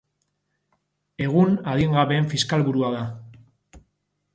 Egun adingabeen fiskalburua da.